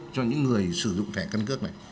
cho những người sử dụng thẻ căn cước này